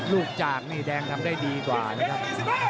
จากนี่แดงทำได้ดีกว่านะครับ